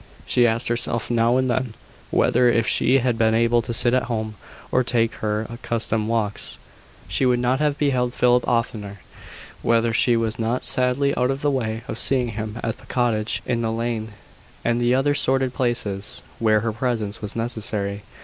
She asked herself now and then, whether, if she had been able to sit at home, or take her accustomed walks, she should not have beheld Philip oftener: whether she was not sadly out of the way of seeing him at the cottage in the lane, and the other sordid places where her presence was necessary.